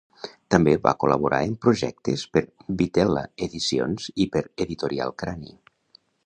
També va col·laborar en projectes per Vitel·la edicions i per Editorial Crani.